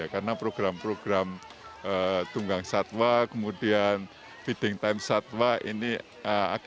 karena program program tunggang satwa kemudian feeding time satwa ini akan berhasil